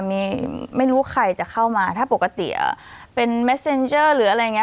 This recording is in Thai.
มีไม่รู้ใครจะเข้ามาถ้าปกติเป็นเม็ดเซ็นเจอร์หรืออะไรอย่างนี้